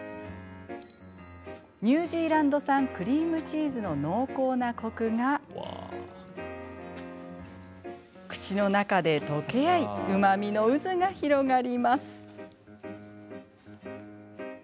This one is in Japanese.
ニュージーランド産クリームチーズの濃厚なコクが口の中で溶け合いうまみの渦が広がります。